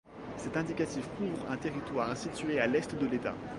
Cet indicatif couvre un territoire situé à l'est de l'État.